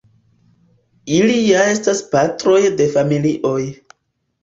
ili ja estas patroj de familioj.